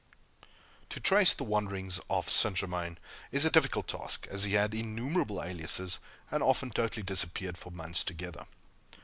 To trace the wanderings of St. Germain is a difficult task, as he had innumerable aliases, and often totally disappeared for months together.